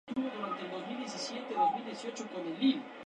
Tuvieron dos hijos, un hijo y una hija.